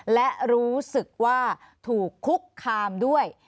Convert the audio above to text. และรู้สึกว่าถูกคุกคามด้วย